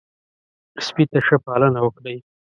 سپي ته ښه پالنه وکړئ.